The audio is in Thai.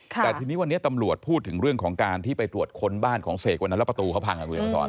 แต่ทีนี้วันนี้ตำรวจพูดถึงเรื่องของการที่ไปตรวจค้นบ้านของเสกวันนั้นแล้วประตูเขาพังคุณเห็นมาสอน